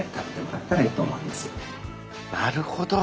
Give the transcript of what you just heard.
なるほど。